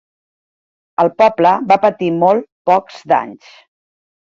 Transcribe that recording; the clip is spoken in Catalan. El poble va patir molt pocs danys.